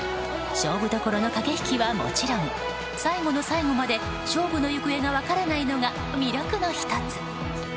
勝負どころの駆け引きはもちろん最後の最後まで勝負の行方が分からないのが魅力の１つ。